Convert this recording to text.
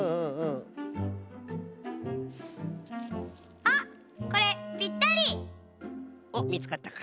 あっこれピッタリ！おっみつかったか。